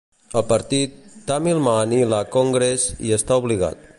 El partit, Tamil Maanila Congress, hi està obligat.